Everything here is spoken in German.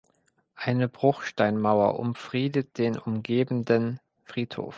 Eine Bruchsteinmauer umfriedet den umgebenden Friedhof.